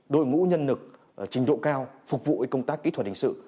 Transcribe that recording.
đội ngũ nhân lực trình độ cao phục vụ công tác kỹ thuật hình sự